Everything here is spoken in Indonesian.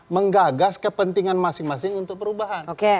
menggagas kepentingan masing masing untuk perubahan